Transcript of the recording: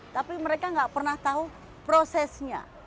tapi mereka nggak pernah tahu prosesnya